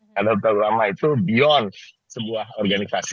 nahdal pultul ulamah itu beyond sebuah organisasi